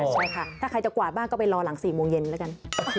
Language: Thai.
ใช่ค่ะถ้าใครจะกวาดบ้านก็ไปรอหลัง๔โมงเย็นแล้วกัน